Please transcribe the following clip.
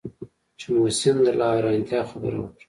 چې محسن د لا حيرانتيا خبره وکړه.